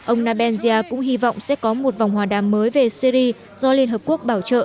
ông nabenzia cũng hy vọng sẽ có một vòng hòa đàm mới về syri do liên hợp quốc bảo trợ